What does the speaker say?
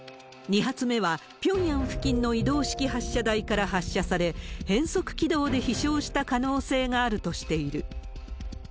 ２発目はピョンヤン付近の移動式発射台から発射され、変則軌道で飛しょうした可能性があるとしている。